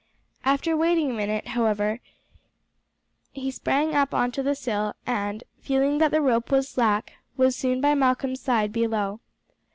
After waiting a minute, however, he sprang up on to the sill, and feeling that the rope was slack, was soon by Malcolm's side below.